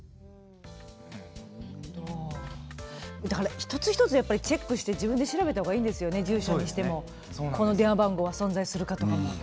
一つ一つやっぱりチェックして自分で調べた方がいいですよね、住所にしてもこの電話番号は存在するかとか。